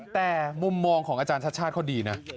แต่มุมมองของอชัชชาธิ์ดีนะ